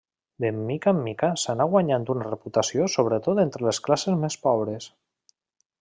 De mica en mica s'anà guanyant una reputació sobretot entre les classes més pobres.